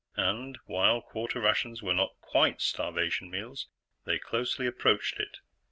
And, while quarter rations were not quite starvation meals, they closely approached it.